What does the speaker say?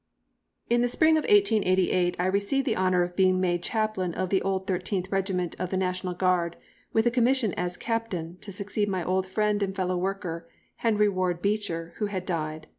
] In the spring of 1888 I received the honour of being made chaplain of the "Old Thirteenth" Regiment of the National Guard, with a commission as captain, to succeed my old friend and fellow worker, Henry Ward Beecher, who had died.